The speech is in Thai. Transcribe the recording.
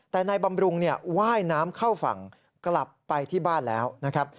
แต่นายบำรุงว่ายน้ำเข้าฝั่งกลับไปที่บ้านแล้วนะครับ